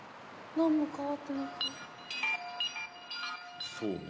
何も変わってない。